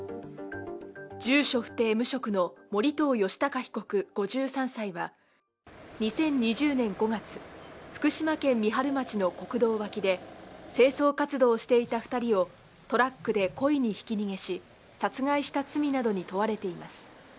住所不定・無職の盛藤吉高被告５３歳は２０２０年５月、福島県三春町の国道脇で清掃活動をしていた２人をトラックで故意にひき逃げし、殺害した罪などに問われています。